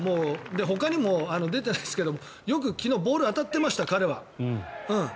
ほかにも、出てないですけどよく昨日ボール当たってました、彼は。